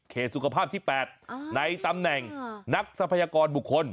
สุขภาพที่๘ในตำแหน่งนักทรัพยากรบุคคล